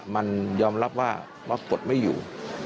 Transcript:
มันยอมรับว่ารถกดไม่อยู่